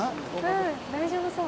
うん大丈夫そう。